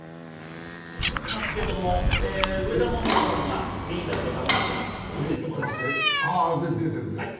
出てますけれども、上田桃子さんがリーダーで頑張っていますというところです。